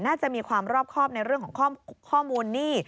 น่าจะมีความรอบครอบในเรื่องของข้อมูลหนี้